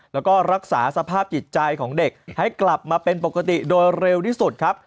แล้วก็รักษาสภาพจิตใจของเด็กให้กลับมาเป็นปกติโดยเร็วที่สุดครับ